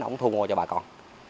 ông thu mua cho bà con